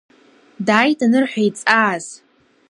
Дааит анырҳәа, иҵааз…